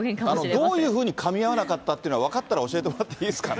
どういうふうにかみ合わなかったか分かったら、教えてもらっていいですかね。